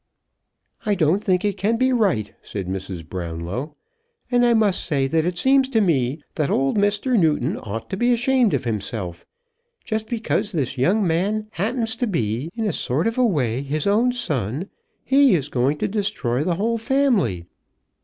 "I don't think it can be right," said Mrs. Brownlow; "and I must say that it seems to me that old Mr. Newton ought to be ashamed of himself. Just because this young man happens to be, in a sort of a way, his own son, he is going to destroy the whole family.